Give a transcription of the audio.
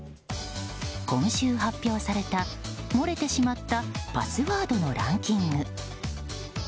今週発表された漏れてしまったパスワードのランキング。